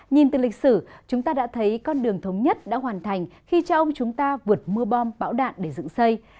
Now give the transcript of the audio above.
nhìn từ lịch sử chúng ta đã thấy con đường thống nhất đã hoàn thành khi cho ông chúng ta vượt mưa bom bão đạn để dựng xây